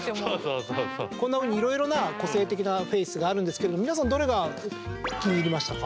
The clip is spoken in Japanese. こんなふうにいろいろな個性的なフェイスがあるんですけど皆さんどれが気に入りましたか？